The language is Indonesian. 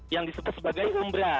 yang disebut sebagai umbra